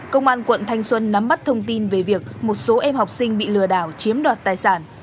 các đối tượng thanh xuân nắm bắt thông tin về việc một số em học sinh bị lừa đảo chiếm đoạt tài sản